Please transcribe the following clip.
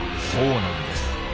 そうなんです。